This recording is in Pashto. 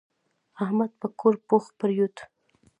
احمد پر کور پوخ پرېوت.